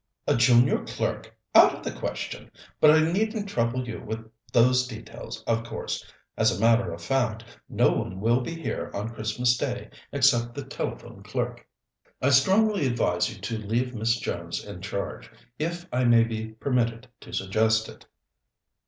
"A junior clerk? Out of the question. But I needn't trouble you with those details, of course. As a matter of fact, no one will be here on Christmas Day except the telephone clerk." "I strongly advise you to leave Miss Jones in charge, if I may be permitted to suggest it."